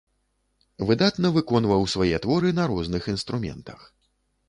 Выдатна выконваў свае творы на розных інструментах.